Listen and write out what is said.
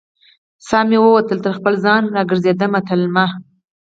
سا مې وتله تر خپل ځان، را ګرزیدمه تلمه